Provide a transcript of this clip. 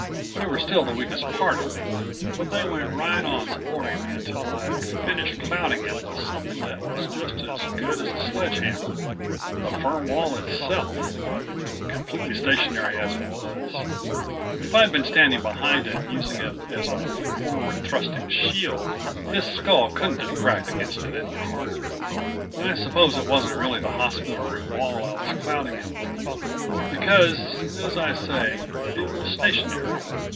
They were still the weakest part of me, but they went right on supporting me until I'd finished clouting him with something that was just as good as a sledgehammer the firm wall itself, completely stationary as it was. If I'd been standing behind it using it as a forward thrusting shield his skull couldn't have cracked against it any harder. I suppose it wasn't really the hospital room wall I was clouting him with, because, as I say, it was stationary.